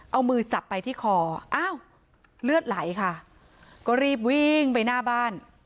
เอามือจับไปที่คออ้าวเลือดไหลค่ะก็รีบวิ่งไปหน้าบ้าน